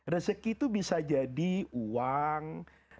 rezeki itu bisa jadi uang